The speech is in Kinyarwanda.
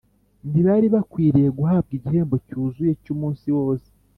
ntibari bakwiriye guhabwa igihembo cyuzuye cy’umunsi wose